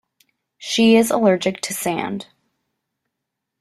She is allergic to sand.